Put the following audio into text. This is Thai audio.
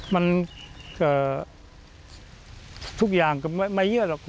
มันทุกอย่างก็ไม่เยื่อหรอก